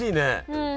うん。